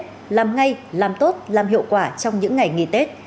làm ngay làm tốt làm hiệu quả trong những ngày nghỉ tết